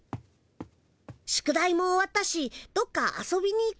宿題も終わったしどっか遊びに行こうよ。